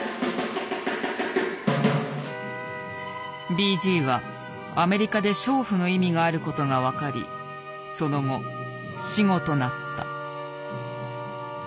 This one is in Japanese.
ＢＧはアメリカで「娼婦」の意味があることが分かりその後死語となった。